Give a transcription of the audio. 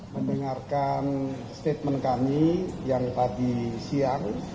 mendengarkan statement kami yang tadi siang